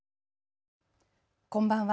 こんばんは。